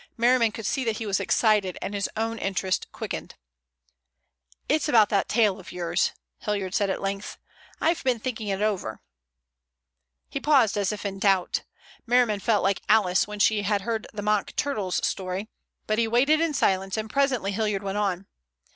Merriman could see that he was excited, and his own interest quickened. "It's about that tale of yours," Hilliard said at length. "I've been thinking it over." He paused as if in doubt. Merriman felt like Alice when she had heard the mock turtle's story, but he waited in silence, and presently Hilliard went on.